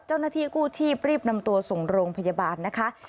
เจ้าหน้าที่กู้ชีพรีบนำตัวส่งโรงพยาบาลนะคะ